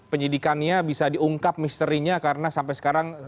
penyidikannya bisa diungkap misterinya karena sampai sekarang